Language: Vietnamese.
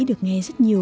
được nghe rất nhiều